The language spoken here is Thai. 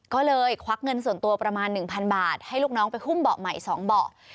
ก็เลยควักเงินส่วนตัวประมาณ๑๐๐บาทให้ลูกน้องไปหุ้มเบาะใหม่๒เบาะ